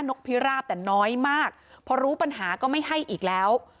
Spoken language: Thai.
กพิราบแต่น้อยมากพอรู้ปัญหาก็ไม่ให้อีกแล้ว